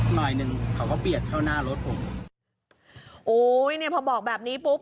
หน่อยหนึ่งเขาก็เบียดเข้าหน้ารถผมโอ้ยเนี่ยพอบอกแบบนี้ปุ๊บ